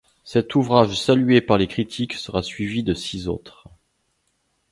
Cet ouvrage salué par les critiques sera suivi de six autres.